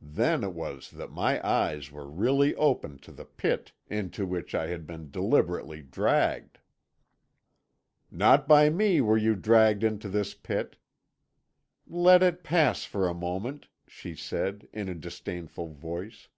Then it was that my eyes were really opened to the pit into which I had been deliberately dragged.' "'Not by me were you dragged into this pit.' "'Let it pass for a moment,' she said, in a disdainful voice.